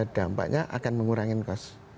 dampaknya akan mengurangi cost